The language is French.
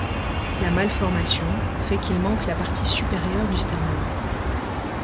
La malformation fait qu'il manque la partie supérieure du sternum.